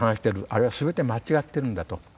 あれはすべて間違ってるんだと。